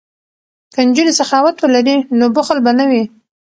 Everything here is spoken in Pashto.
که نجونې سخاوت ولري نو بخل به نه وي.